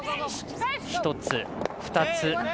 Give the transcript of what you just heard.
１つ、２つ。